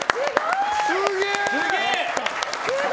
すげえ！